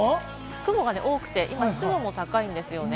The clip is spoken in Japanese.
雲が多くて湿度も高いんですよね。